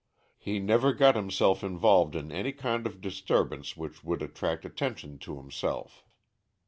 He never got himself involved in any kind of disturbance which would attract attention to himself.